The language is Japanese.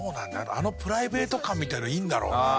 あのプライベート感みたいなのいいんだろうな。